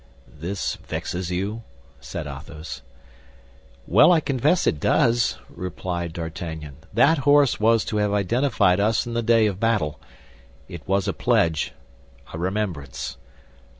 "This vexes you?" said Athos. "Well, I must confess it does," replied D'Artagnan. "That horse was to have identified us in the day of battle. It was a pledge, a remembrance.